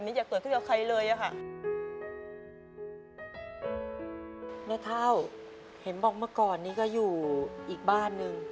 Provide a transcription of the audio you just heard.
แม่เท้าเห็นบอกเมื่อก่อนนี้ก็อยู่อีกบ้านหนึ่ง